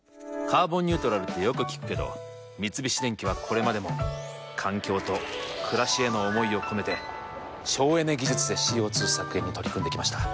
「カーボンニュートラル」ってよく聞くけど三菱電機はこれまでも環境と暮らしへの思いを込めて省エネ技術でＣＯ２削減に取り組んできました。